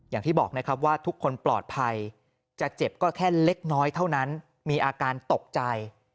อย่างที่บอกนะครับว่าทุกคนปลอดภัยจะเจ็บก็แค่เล็กน้อยเท่านั้นมีอาการตกใจ